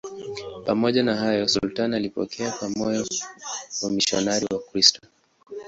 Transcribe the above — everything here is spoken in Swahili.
Pamoja na hayo, sultani alipokea kwa moyo wamisionari Wakristo.